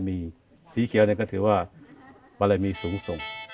และมีสีเขียวก็ถือว่ามันเลยมีสูงส่ง